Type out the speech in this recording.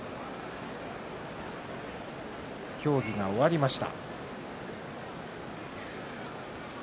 協議が終わりました。